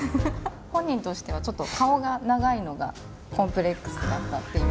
本人としてはちょっと顔が長いのがコンプレックスだったっていうような。